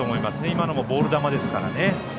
今のもボール球ですから。